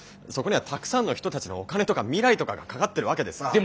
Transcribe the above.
そこにはたくさんの人たちのお金とか未来とかがかかってるわけでさ。